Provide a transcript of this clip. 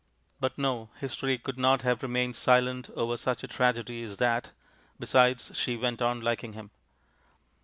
But no history could not have remained silent over such a tragedy as that. Besides, she went on liking him.